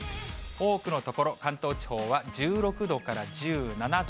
多くの所、関東地方は１６度から１７度。